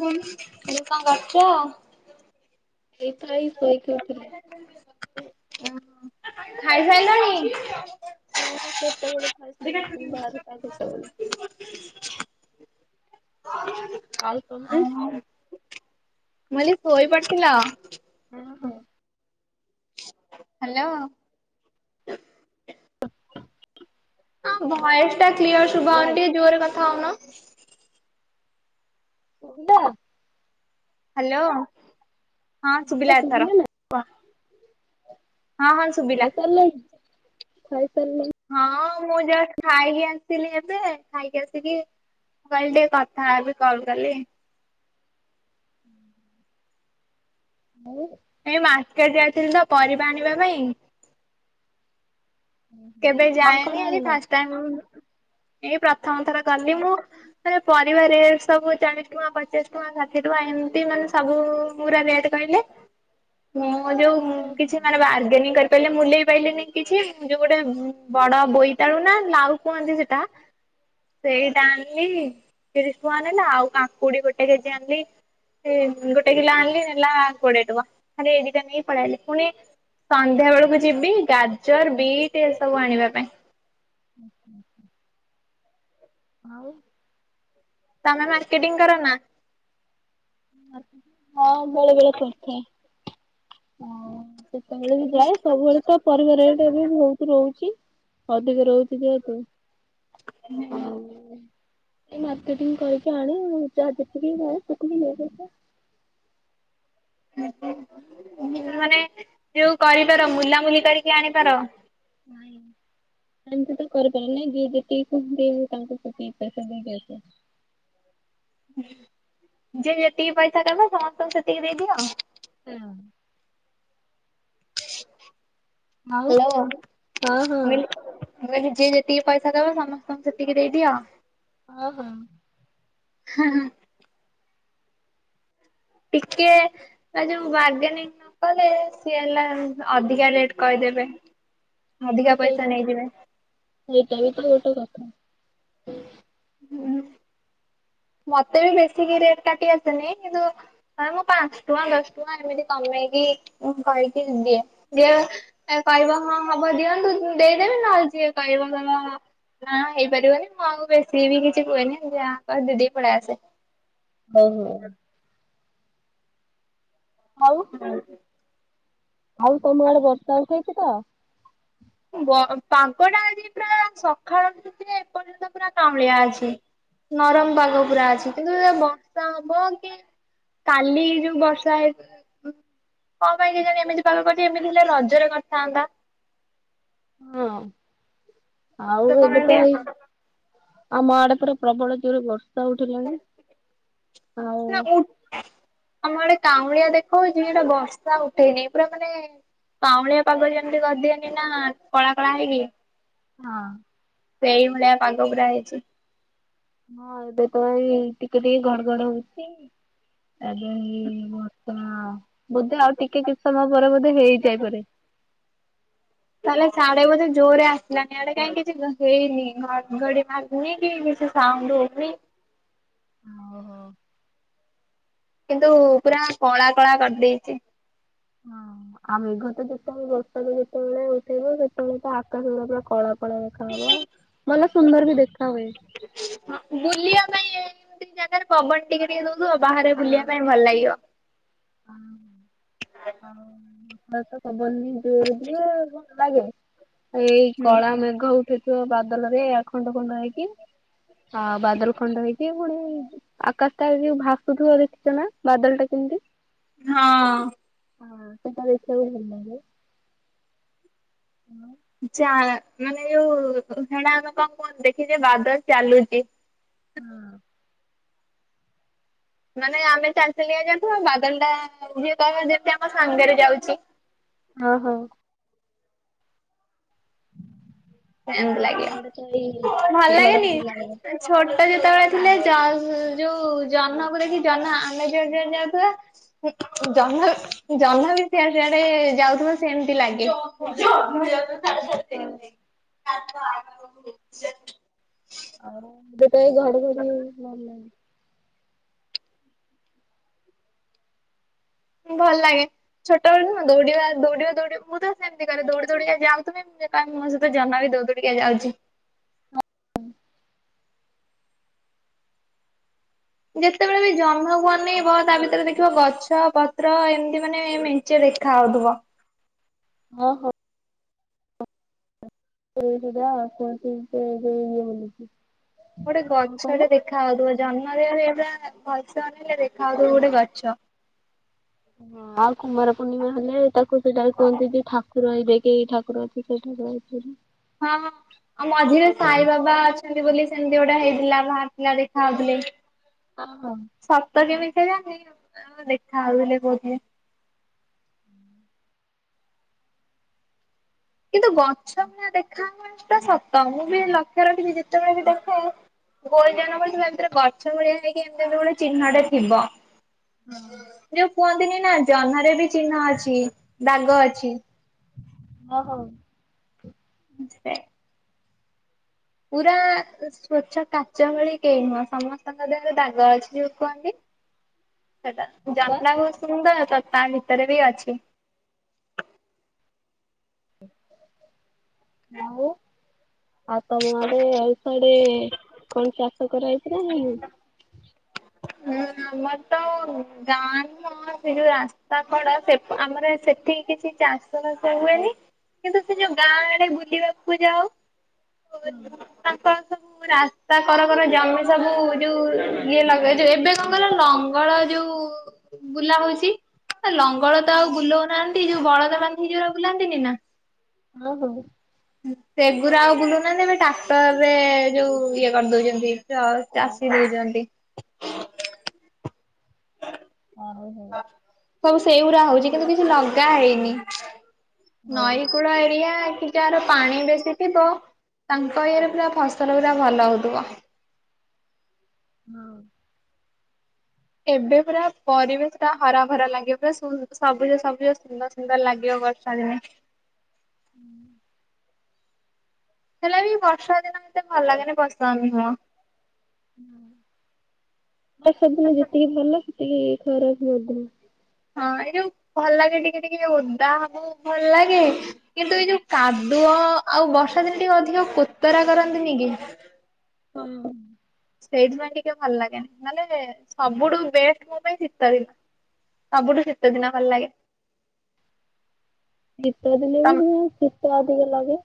କହିଲି କଣ କରୁଛ? ଏଇ ତ ଏଇ ଶୋଇକି ଉଠିଲି। ଖାଇ ସାଇଲଣି? ହଁଁ କେତେବେଳୁ ଖାଇସାରିଲିଣି ବାରଟା ଗୋଟା ବେଳୁ। ଆଉ ତମେ? ମୁଁ କହିଲି ଶୋଇ ପଡିଥିଲ? ହଁ- ହଁ। ହ୍ୟାଲୋ। ହଁ ଭଏସ୍ ଟା କ୍ଲିୟର ଶୁଭା ଯାଉନି, ଟିକେ ଜୋରରେ କଥା ହଉନ। ଶୁଭିଲା। ହ୍ୟାଲୋ ହଁ ଶୁଭିଲା ଏଥର କୁହ। ହଁ- ହଁ ଶୁଭିଲା। ଖାଇସାରିଲଣି ଖାଇସାରିଲଣି? ହଁ ମୁଁ ଜଷ୍ଟ ଖାଇକି ଆସିଲି ଏବେ, ଖାଇକି ଆସିକି ମୁଁ କହିଲି ଟିକେ କଥା ହେବି କଲ କଲି। ଆଉ। ଏଇ ମାର୍କେଟ ଯାଇଥିଲି ତ ପରିବା ଆଣିବା ପାଇଁ। କେବେ କଣ କଣ ଯାଏନି ଆଜି ଆଣିଲ? First time. ଏଇ ପ୍ରଥମ ଥର ଗଲି ମୁଁ ମାନେ ପରିବା ରେଟ୍ ସବୁ ଚାଳିଶ ଟଙ୍କା, ପଚାଶ ଟଙ୍କା, ଷାଠିଏ ସେଠୁ ଏମତି ମାନେ ସବୁ ପୁରା ରେଟ୍ କହିଲେ, ମୁଁ ହଁ ଯୋଉ ହୁଁ କିଛି ହୁଁ ମାନେ ବାର୍ଗେନିଂ କରିପାରିଲିନି, ମୁଲେଇ ପାରନି କିଛି। ଯୋଉ ଗୋଟେ ବଡ ବୋଇତାଳୁ ନା ଲାଉ କୁହନ୍ତି ସେଟା ସେଇଟା ଆଣିଲି ତିରିଶ ଟଙ୍କା ନେଲା, ଆଉ କାଙ୍କୁଡି ଗୋଟେ କେଜି ଆଣିଲି ଗୋଟେ କିଲୋ ଆଣିଲି ନେଲା କୋଡ଼ିଏ ଟଙ୍କା, ଖାଲି ଏଇ ଦିଟା ନେଇ ପଳେଇ ଆଇଲି। ପୁଣି ସନ୍ଧ୍ୟା ବେଳକୁ ଯିବି ଗାଜର ବିଟ୍ ଏସବୁ ଆଣିବା ପାଇଁ। ଆଚ୍ଛା ଆଚ୍ଛା। ଆଉ? ତମେ ମାର୍କେଟିଙ୍ଗ କର ନା? ହଁ ବେଳେ ବେଳେ କରିଥାଏ ହ। ସେତେବେଳେ ବି ଯାଏ ସବୁବେଳେ ତ ପରିବାରଟା ବି ବହୁତ ରହୁଚି। ଏିକ ଯ ରହୁଚି ଯେହେତୁ ଏଇ ମାର୍କେଟିଙ୍ଗ କରିକି ଆଣି ଯାହା ଯେତିକି ମିଳେ ସେତିକି ନେଇ ଆସେ। ମାନେ ଯୋଉ କରିପାର ମୁଲାମୁଲି କରିକି ଆଣିପାର? [inaudible] ଏମତି ତ କରିପାର ନା ଯେ ଯେତିକି କହନ୍ତି ତାଙ୍କୁ ସେ ପଇସା ଦେଇକି ଆସେ। ଯେ ଯେତିକି ପଇସା ଦବ ସମସ୍ତଙ୍କୁ ସେତିକି ଦେଇଦିଅ? ହଁ। ଆଉ ହାଲୋ ହଁ ହଁ ହେଇଲୋ। ଯିଏ ଯେତିକି ପଇସା ଦବ ସମସ୍ତଙ୍କୁ ସେତିକି ଦେଇଦିଅ? ଓ ହୋ। ହଁ। ଟିକେ ଯୋଉ ବାର୍ଗେନିଂ କଲେ ସିଏ ହେଲା ଅଧିକା ରେଟ କହିଦେବେ। ଅଧିକା ହଁ ସେଇ ପଇସା ନେଇଯିବେ। ସେଇଟା ବି ତ ଗୋଟେ କଥା। ହୁଁ। ମତେ ବି ବେଶୀକି ରେଟ କାଟି ଆସେନି କିନ୍ତୁ ମୁଁ ପାଞ୍ଚ ଟଙ୍କା ଦଶ ଟଙ୍କା ଏମିତି କମେଇ ମେଇକି କହିିକି ଦିଏ ବେଳେବେଳେ ଆ କହିବ ହଁ ହବ ଦିଅନ୍ତୁ ଦେଇଦେବି ନହେଲେ ଯିଏ କହିବ ତମ କଁ ହେଇପାରିବନି ମୁଁ ଆଉ ବେଶୀ ବି କିଛି କୁହେନି, ଯାହା କହ ଦିଦି ପଲାଇଆସେ। ହଉ ହଉ। ହଉ। ଆଉ ତମ ଆଡେ ବର୍ଷା ଉଠେଇଚି ତ? ବ ପାଗଟା ଆଜି ପୁରା ସକାଳ ରୁ ଉଠି ଏପର୍ଯ୍ୟନ୍ତ ପୁରା କାଉଁଳିଆ ଅଛି। ନରମ ପାଗ ପୁରା ଅଛି କିନ୍ତୁ ଏ ବର୍ଷା ହବ କି କାଲି ଯୋଉ ବର୍ଷା ହେ କଣ ପାଇଁ କି ଜାଣେ ଏମିତି ପାଗ କରିଚି, ଏମିତି ହେଲେ ରଜରେ କରିଥାନ୍ତା। ହଁ ଆଉ ଏବେ ତ କାଉଁଳିଆ ହେଇ ଆମ ଆଡେ ପୁରା ପ୍ରବଳ ଜୋର ବରସ ଷା ଉଠେଇଲାଣି ଆଉ ଆମର ଆଡ଼େ କାଉଁଳିଆ ଦେଖଉଚି ଏଟା ବର୍ଷା ଉଠେଇନି ପୁରା ମାନେ କାଉଁଳିଆ ପାଗ ଯେମିତି କରିଦିଅନି ନା କଳା କଳା ହେଇକି ହଁ। ସେଇ ଭଳିଆ ପାଗ ପୁରା ହେଇଚି। ହଁ ଏବେ ତ ଏ ଟିକେ ଟିକେ ଘଡଘଡ ହଉଚି। ଏବେଇ ବଷ ବୋଧେ ଆଉ ଟିକେ କିଛି ସମୟ ପରେ ବୋଧେ ହେଇଯାଏ ପାରେ। [inaudible] ହେଲେ ସାଡେ ବଧେ ଜୋରରେ ଆସିଲାନି ଆଆଡେ କାଇହିଁ କିଛି ହେଇନି ଘଘଡି ମାରନି କି କିଛି ସାଉଣ୍ଡ ନଡ୍ ହଉନି। ଓହୋ କିନ୍ତୁ ପୁରା କଳା କଳା କରିଦେଇଚି। ହଁ ଆଉ ମେଘ ତ ଯେତେବେଳେ ବର୍ଷା ତ ଯେତେବେଳେ ଉଠେଇବ ସେତେବେଳେ ତ ଆକାଶ ଗ ପୁରା କଳା କଳା ଦେଖାହବ ମଲା ସୁନ୍ଦର ବି ଦେଖା ହୁଏ। ଏମତି ଜାଗାରେ ପବନ ଟିକେ ଟିକେ ଦଉଥିବ, ବାହାରେ ବୁଲିବା ପାଇଁ ଭଲ ଲାଗିବ। ହ ଆଉ ମସ ତ କବରନି ଜୋର ଦିଏ ଆଉ ଲାଗେ ଏଇ ହୁଁ। କଳା ମେଘ ଉଠେଇଥିବ ବାଦଲରେ ଆ ଖଣ୍ଡ ଖଣ୍ଡ ହେଇକି ଆଉ ବାଦଲ ଖଣ୍ଡ ହେଇଛଚି, ପୁଣି ଆକାଶ ତାର ଯୋଉ ଭାସୁଥିବ ଦେଖିଛ ନା ବାଦଲ ଟା କେ ମତି ହଁ। ହଁ ସେଟା ଦେଖିବାକୁ ଭଲ୍ ଲାଗେ। ହଁ ହଁ। ଯା ମାନେ ଏଉ ହୋ ହେଳା ଆମେ କଣ କୁହନ୍ତି କି ଯେ ବାଦଲ୍ ଚାଲୁଚି। ହଁ। ମାନେ ଆମେ ଚାଲି ଚାଲିକା ଯାଉଥିବା ବାଦଲ୍ ଟା ଯିଏ କହିବ ଯେମିତି ଆମ ସାଙ୍ଗରେ ଯାଉଚି। ଅ ହୋ। ଟାଇମ୍ ଏଇ ଆମ ଲାଗିଲା ଆଡେ ତ ଏଇ ଭଲ୍ ଲାଗେନି ଘଡଘଡି ଲାଗେ। ଛୋଟ ଯେତେବେଳେ ଥିଲେ ଜ ଯୋଉ ଜହ୍ନକୁ ଦେଖି ଜହ୍ନ ଆମେ ଜୁଆ ଜୁଆ ଯାଉଥିବା ଜହ୍ନ ବି ଜହ୍ନ ବି ସିଆଡ଼େ ସିଆଡ଼େ ଯାଉଥିବ ସେମିତି ଲାଗେ। [inaudible] ଆଉ ଦେତେ ଘଡ଼ଘଡି଼ ଭଲ୍ ଲାଗେ। ଉଁ ଭଲ୍ ଲାଗେ। ଛୋଟବେଳୁଁ ଦୌଡି଼ବା ଦୌଡି଼ବା ଦୌଡି଼ ମୁଁ ତ ସେମିତି କରେ ଦୌଡି଼ ଦୌଡି଼ କା ଯାଉଥିବି ମ୍ ଏକା ମୋ ସହିତ ଜହ୍ନ ବିି ଦୋଉ ଦୋଡ଼ିକା ଯାଉଛି। ହ ଅଁ। ଯେତେବେଳେ ବି ଜହ୍ନକୁ ଆମେ ବ ତା ବିତରେ ଦେଖିବ ଗଛ ପତ୍ର ଏମିତି ମାନେ ମେଞ୍ଚେ ଦେ ଦେଖା ଆଉଥିବ। ଅ ହୋ। ସେ ଯୋଡା କୁଅନ୍ତି କେ ହେ ହୋଲି କି। ଗୋଟେ ଗଛଟେ ଦେଖା ଆଉଥିବ ଜହ୍ନରେ ଆହୁରି ହେ ପ୍ରା ଗଛ ହେଲେ ଦେଖା ଆଉ ହଁ ଥିବ ଗୋଟେ ଗଛ। ହଁ ଆଉ କୁମାର ପୂର୍ଣ୍ଣିମା ହେଲେ ତାକୁ ସେଟା କୁହନ୍ତି ଯେ ଠାକ୍ କୁର ଆଇବେ କି ଠାକୁର ଏଠି ସେଠି [unintelligible] ହଁ ଆଉ ମଝିରେ ସାଇ ବାବା ଅଚ୍ ଛନ୍ତି ବୋଲି ସେମିତି ଗୋଟେ ହେଇଥିଲା ବାହାରିଥିଲା ଦେଖା ଆଉଥିଲେ ହଁ ସତ ଯେମି ଥିଲାକି ଆଁ ଦେଖା ଆଉଥିଲେ ବୋଧେ। କିନ୍ତୁ ଗଛ ଭଳିଆ ଦେଖା ହବାଟା ସତ ମୁଁ ବି ଲକ୍ଷ୍ୟ ରଖିଛିି ଯେତେବେଳେ ବି ଦେଖେ ଗୋଲ୍ ଜନ ହୋଇଥିବା ଭିତରେ ଗଛ ଭଳିଆ ହେଇକି ଏମିତି ଏମିତି ଗୋରେ ଚିହ୍ନଟେ ଥିବ। ହଁ ଯୋଉ କୁଅନ୍ତିନି ନା ଜହ୍ନରେ ବି ଚିହ୍ନ ଅଛି ଦାଗ ଅଛି। ଅ ହଉ। [inaudible] ପୁରା ସ୍ଵଚ୍ଛ କାଚ ଭଳି କେହି ନୁହଁ ସମସ୍ତଙ୍କ ଦେହରେ ଦାଗ ଅଛି ଯୋଉ କୁଅନ୍ତି। ସେଟା ହଁ ବା ଜନଡା ବୋହୁତ୍ ସୁନ୍ଦର୍ ତା ତା ଭିତରେ ବି ଅଛି। ହଉ ଆଉ ତମ ଆଡେ ଆଉ ଏଇଡି କଣ ଚାଷ କରା ଛି ଯା ହେଇନି? ହୁଁ। ଆମର ତ ଗାଁ ନୁହଁ ସେ ଯୋଉ ରାସ୍ତା କଡ଼ ସେ ଆମର ସେଠି କିଛି ଚାଷ ବାସ ହୁଏନି କିନ୍ତୁ ସେ ଯୋଉ ଗାଁ ଆଡେ ବୁଲିବାକୁ ଯାଉ ହଁ। ତାଙ୍କର ସବୁ ରାସ୍ତା କର କର ଜମି ସବୁ ଯୋଉ ଇଏ ଲଗେ ଏବେ କଣ କହିଲ ଲଙ୍ଗଳ ଯୋଉ ବୁଲା ହୋଉଛି। ଲଙ୍ଗଳ ତ ଆଉ ହଁ ବୁଲୋଉ ନାହାନ୍ତି ଯୋଉ ବଳଦ ବାନ୍ଧି ଯୋଉ ବୁଲାନ୍ତିନି ନା। ଅ ହୋଉ। ସେଗୁୁରା ଆଉ ବୁଲୋଉ ନାହାନ୍ତି ଏବେ ଟ୍ରାକ୍ଟର୍ ରେ ଯୋଉ ଇଏ କରି ଦୋଉଛନ୍ତି। ଚ ଚାଷୀ ଓହୋ ଦୋଉଜନ୍ତି। ଅ ହୋଉ ହୋଉ। ସବୁ ସେଉରା ହୋଉଛି କିନ୍ତୁ କିଛି ଲଗା ହେଇନି ହଉ ନଈ କୂଳ ଏରିଆ ଯାହାର ପାଣି ବେଶୀ ଥିବ ତାଙ୍କ ଇଏରେ ପୁରା ଫସଲ ଉରା ଭଲ ହୋଉଥିବ। ହଁ। ଏବେ ପୁରା ପରିବେଶ ଟା ହରା ଭରା ଲାଗିବ ପୁରା ସବୁଜ ସବୁଜ ସୁନ୍ଦର ସୁନ୍ଦର ଲାଗିବ। ବର୍ଷା ଦିନେ। ହୁଁ। ହେଲେ ବି ବର୍ଷା ଦିନ ମତେ ଭଲ ଲାଗେନି ବର୍ଷା ଅନୁଭବ। ଆ ସେଦିନ ଯେତିକି ଭଲ ସେତିକି ଖରାପ ମଧ୍ୟ। ହଁ ଏଇ ଯୋଉ ଭଲ ଲାଗେ ଟିକେ ଟିକେ ଓଦା ହବୁ ଭଲ ଲାଗେ କିନ୍ତୁ ଏଇ ଯୋଉ କାଦୁ ଦୁଅ ଆଉ ବର୍ଷା ଦିନେ ଟିକେ ଅଧିକ କୋତରା କରନ୍ତିନି କି? ହଁ। ସେଇଥି ପାଇଁ ଟିକେ ଭଲ ଲାଗେନି ମାନେ ସବୁଠୁ ବେଷ୍ଟ ମୋ ପାଇଁ ଶୀତ ଦିନ। ସବୁଠୁ ଶୀତ ଦିନ ଭଲ ଲାଗେ। ଶୀତ ଦିନେ ବି ତମ ଶୀତ ଆଧିକଲାଗେ।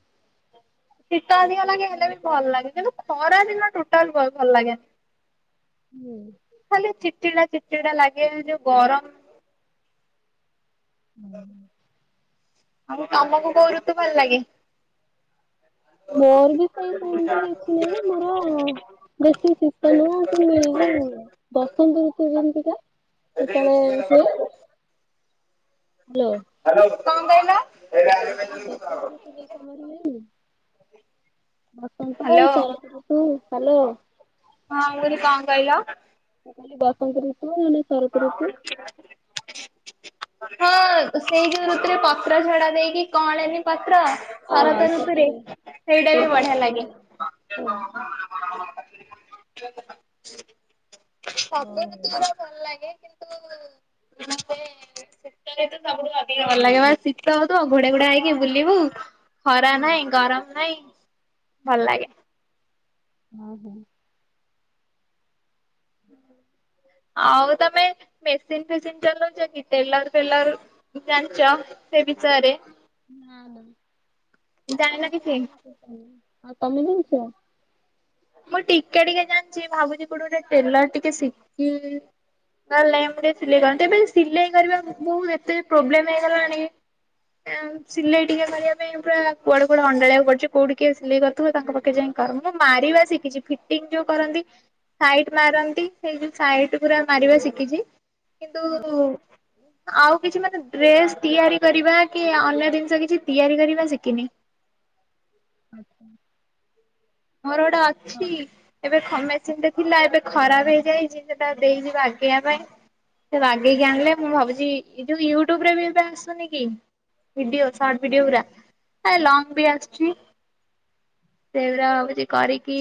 ଶୀତ ଅଧିକ ଲାଗେ ହେଲେ ବି ଭଲ ଲାଗେ କିନ୍ତୁ ଖରା ଦିନ ଟୋଟାଲ ଭଲ ଲାଗେନି। ହୁଁ। ହୁଁ। ଖାଲି ଚିଡ ଚିଡ଼ା ଚିଡ୍ ଚିଡ଼ା ଲାଗେ ଯୋଉ ଗରମ [inaudible] ଆଉ ତମକୁ କୋଉ ରୁତୁ ଭଲ ଲାଗେ? ମୋର ବି ସେଇ ସେମିତି କିଛି ନାହିଁ ମୋର ବେଶୀ ଶୀତ କଣ ନୁହଁ କି ଏ ଯୋଉ ବସନ୍ତ ଋତୁ ଯେମିତିକା ସେତେବେଳେ ହୁଏ। ହ୍ୟାଲୋ। [unintelligible] ମୁଁ କାଲି ଦସ ହଜାର ଏତେ ପଇସା କମେଇଛି ଯାଇଁଲୁ ବସନ୍ତ ହ୍ୟାଲୋ ଏଇ ହଁ ସରତ ଋତୁ ହେଲେ ଆଉ। ମୁଁ କହିଲି କଣ କହିଲ? ମୁଁ କହିଲି ବସନ୍ତ ଋତୁ ନହେଲେ ଶରତ ଋତୁ ହଁ ସେଇ ଯୋଉ ଋତୁରେ ପତ୍ର ଝଡା ଯାଇକି କଅଁଳେ ବି ପ ପ୍ର ହଁ ଶରତ ସେଇଟା ଋତୁରେ ହିଁ ସେଇଟା ବି ବଢିଆ ଲାଗେ। ହଁ। ସବୁ ଋତୁ ହଉ ଗୁରା ଭଲ ଲାଗେ। ଗେ କିନ୍ତୁ ଶୀତ ଦିନ ସବୁଠୁ ଅଧିକା ଭଲ ଲାଗେ ମାନେ ଶୀତ ହଉଥିବ ଘୋଡେଇ ଘୁଡ଼ା ହେଇକି ବୁଲିବୁ ଖରା ହଉ ନାଇଁ ଗରମ ନାଇଁ ଭଲ ଲାଗେ। ଓ ହୋ। [inaudible] ଆଉ ତମେ ମେସିନ୍ ଫେସିନ ଚଲଉଛ କି ଟେଲର ଫେଲର ଜାଣିଛ? ସେ ନା ବିଷୟରେ ନା ନା। ଜାଣିନ [unintelligible] କିଛି? ଆଉ ତମେ ଜାଣିଛ। ମୁଁ ଟିକେ ଟିକେ ଜାଣିଛି ଭାବୁଛି କୋଉଠି ଗୋଟେ ଟେଲର୍ ଟିକେ ଶିଖିବି। [unintelligible] ମୁଁ ଟିକେ ସିଲେଇ କରନ୍ତି ଏବେ ସିଲେଇ କରିବା ବହୁତ ଏତେ ପ୍ରୋବ୍ଲେମ୍ ହେଇଗଲାଣି। ସିଲେଇ ଟିକେ କରିବା ପାଇଁ ପୁରା କୁଆଡେ କୁଆଡେ ଅଣ୍ଡାଳି ବାକୁ ପଡୁଛି କୋଉଠିି କିଏ ସିଲେଇ କରୁଥିବ ତାଙ୍କ ପାଖରେ ଯାଇକି ମୁଁ ମାରିବା ଶିଖିଛି ଫିଟିଙ୍ଗ ଯୋଉ କରନ୍ତି ସାଇଟ ମାରନ୍ତି ସେଇ ଯଉ ସାଇଟ ଗୁରା ମାରିବା ଶିଖିଛି କିନ୍ତୁ ଆଉ କିଛି ମାନେ ଡ୍ରେସ ତିଆରି କରିବା କି ଅନ୍ୟ ଜିନିଷ କିଛି ତିଆରି କରିବା ଶିଖିନି। [inaudible] ଆଚ୍ଛା। ମୋର ଗୋଟେ ଅଛି ହଉ ଏବେ ଖମେଶ ସେଟା ଥିଲା ଏବେ ଖରାପ ହେଇଯାଇଛି ସେଟା ଦେଇଛି ଵାଗେଇବା ପାଇଁ। ସେ ବାଗେଇକି ଆଣିଲେ ମୁଁ ଭାବୁଛି ଏ ଯୋଉ ୟୁଟ୍ୟୁବରେ ବି ଏବେ ଆସୁନି କି? ଭିଡିଓ ସଟ ଭିଡିଓ ପୁରା ଲଙ୍ଗ ବି ଆସୁଛି ସେଗୁରା ଆଉ କିଛି ହଉ କରିକି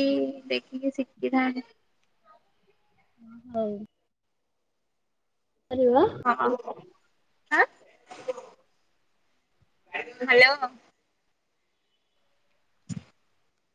ଦେଖିକି ଶିଖିଥାନ୍ତି। ହଁ ହଉ। କରିବ। ହଁ ହଁ। ଆଁ ହ୍ୟାଲୋ।